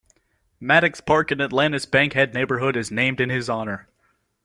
Maddox Park in Atlanta's Bankhead neighborhood is named in his honor.